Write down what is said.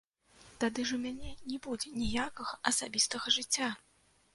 Тады ж у мяне не будзе ніякага асабістага жыцця!